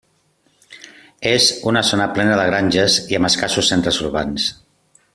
És una zona plena de granges i amb escassos centres urbans.